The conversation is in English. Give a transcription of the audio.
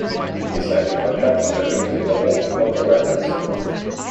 They signed a contract to German music label Folter Records.